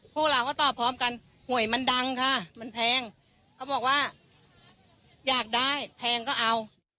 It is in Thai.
พวกเราก็ตอบพร้อมกันหวยมันดังค่ะมันแพงเขาบอกว่าอยากได้แพงก็เอา